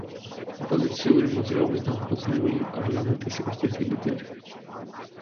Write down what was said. ოპოზიციური მოძრაობის „დამფუძნებელი პარლამენტის“ ერთ-ერთი ლიდერი.